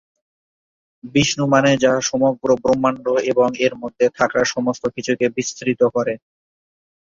বিষ্ণু মানে যা সমগ্র ব্রহ্মাণ্ড এবং এর মধ্যে থাকা সমস্ত কিছুকে বিস্তৃত করে।